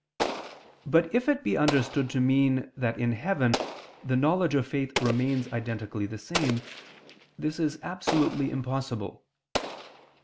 But if it be understood to mean that in heaven the knowledge of faith remains identically the same, this is absolutely impossible.